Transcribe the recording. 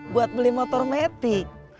buat beli motor metik